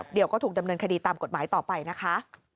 เดี๋ยวก็ถูกดำเนินคดีตามกฎหมายต่อไปนะคะ